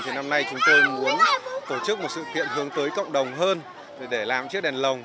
thì năm nay chúng tôi muốn tổ chức một sự kiện hướng tới cộng đồng hơn để làm chiếc đèn lồng